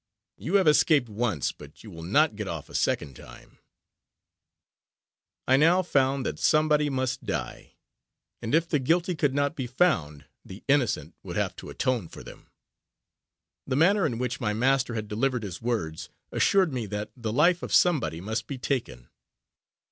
You have escaped once, but you will not get off a second time," I now found that somebody must die; and if the guilty could not be found, the innocent would have to atone for them. The manner in which my master had delivered his words, assured me that the life of somebody must be taken.